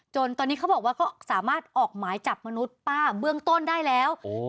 ตอนนี้เขาบอกว่าก็สามารถออกหมายจับมนุษย์ป้าเบื้องต้นได้แล้ว